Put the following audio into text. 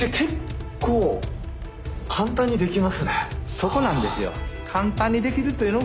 そこなんですよ。